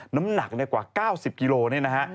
น้ำหนักกว่า๙๐กิโลนี่นะฮะ